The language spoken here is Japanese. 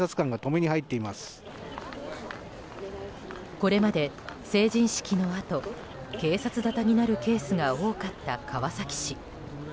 これまで成人式のあと警察沙汰になるケースが多かった川崎市。